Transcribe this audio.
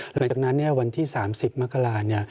หลังจากที่วันที่๓๐มกรา